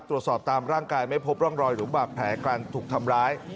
ตามร่างกายไม่พบร่องรอยหรือบาดแผลการถูกทำร้าย